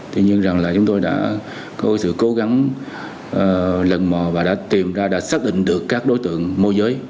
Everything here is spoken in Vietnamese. thế nhưng là chúng tôi đã có sự cố gắng lần mò và đã tìm ra đã xác định được các đối tượng môi giới